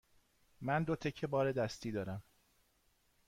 من دو تکه بار دستی دارم.